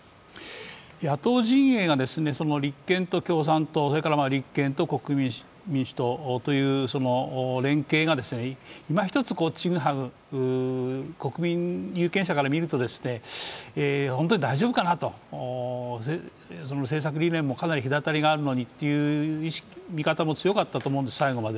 野党陣営が立憲と共産党それから立憲と国民民主党という連携がいまひとつチグハグ、国民・有権者から見ると本当に大丈夫かなと政策理念もかなり隔たりがあるのにという見方も強かったと思うんです、最後まで。